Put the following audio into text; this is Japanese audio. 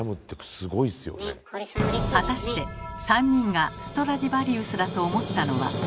果たして３人がストラディヴァリウスだと思ったのは？